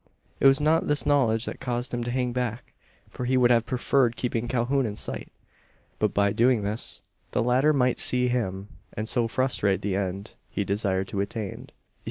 It was not this knowledge that caused him to hang back; for he would have preferred keeping Calhoun in sight. But by doing this, the latter might see him; and so frustrate the end he desired to attain.